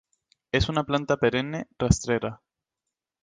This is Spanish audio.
Es una planta perenne, rastrera.